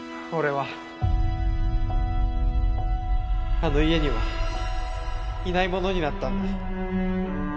あの家にはいないものになったんだ。